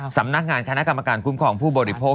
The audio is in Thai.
สำนักงานคณะกรรมการคุ้มครองผู้บริโภค